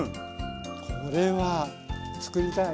これは作りたい。